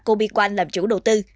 cobiqal làm chủ đầu tư